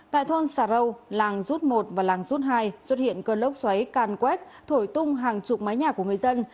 tại thôn xà râu làng rút một và làng rút hai xuất hiện cơn lốc xoáy càn quét thổi tung hàng chục mái nhà của người dân